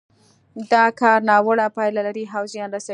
دا کار ناوړه پايلې لري او زيان رسوي.